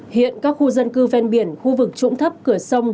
hiện các khu dân cư ven biển khu vực trũng thấp cửa sông